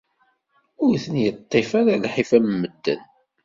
Ur ten-iṭṭif ara lḥif am medden.